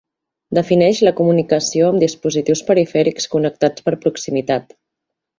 Defineix la comunicació amb dispositius perifèrics connectats per proximitat.